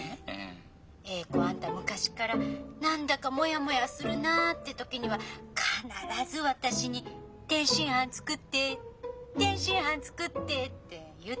詠子あんた昔っから何だかモヤモヤするなって時には必ず私に「天津飯作って天津飯作って！」って言ってたじゃない？